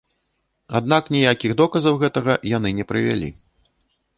Аднак ніякіх доказаў гэтага яны не прывялі.